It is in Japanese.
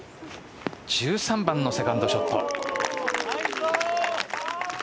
１３番のセカンドショット。